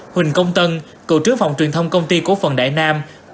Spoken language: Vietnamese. huỳnh công tân cựu trướng phòng truyền thông công ty cổ phần đại nam